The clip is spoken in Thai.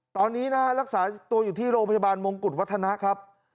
ตอนนี้นะฮะรักษาตัวอยู่ที่โรงพยาบาลมงกุฎวัฒนะครับ